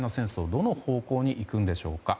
どの方向にいくんでしょうか。